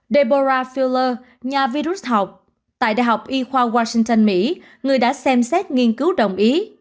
debora filler nhà virus học tại đại học y khoa washington mỹ người đã xem xét nghiên cứu đồng ý